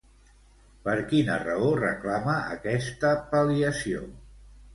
Per quina raó reclama aquesta pal·liació?